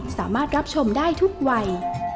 สามารถรับชมได้ทุกวัย